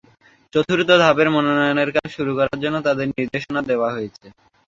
চতুর্থ ধাপের মনোনয়নের কাজ শুরু করার জন্য তাঁদের নির্দেশনা দেওয়া হয়েছে।